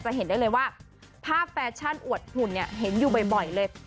เห็นได้เลยว่าภาพแฟชั่นอวดหุ่นเนี่ยเห็นอยู่บ่อยเลย